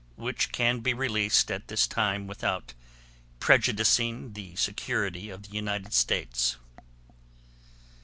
which can be released at this time without prejudicing the security of the United States.